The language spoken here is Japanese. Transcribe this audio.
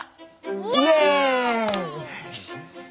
イエーイ！